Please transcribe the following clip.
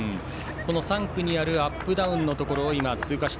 ３区にあるアップダウンのところを通過。